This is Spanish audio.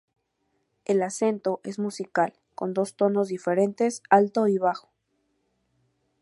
El acento es musical, con dos tonos diferentes: alto y bajo.